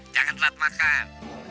jangan telat makan